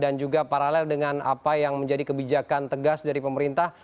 dan juga paralel dengan apa yang menjadi kebijakan tegas dari pemerintah